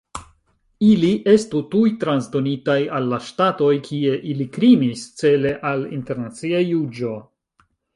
Ili estu tuj transdonitaj al la ŝtatoj, kie ili krimis, cele al internacia juĝo.